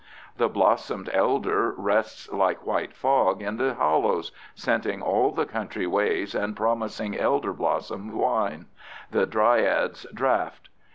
The blossomed elder rests like white fog in the hollows, scenting all the country ways and promising elder blossom wine, the dryad's draught.